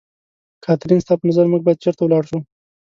کاترین، ستا په نظر موږ باید چېرته ولاړ شو؟